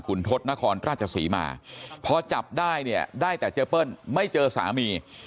คุณทศนครราชศรีมาพอจับได้เนี่ยได้แต่เจเปิ้ลไม่เจอสามี